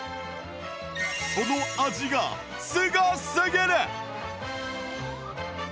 その味がすごすぎる！